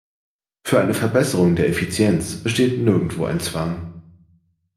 Für eine Verbesserung der Effizienz besteht nirgendwo ein Zwang.